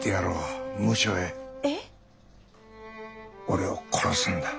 俺を殺すんだ。